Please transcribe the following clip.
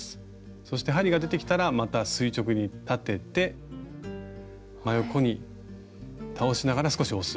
そして針が出てきたらまた垂直に立てて真横に倒しながら少し押す。